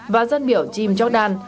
và dân biểu jim jordan